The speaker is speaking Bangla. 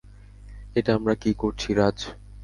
এটা আমরা কী করছি, রাজ?